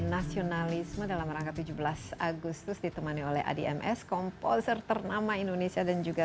nasionalisme dalam rangka tujuh belas agustus ditemani oleh adms komposer ternama indonesia dan juga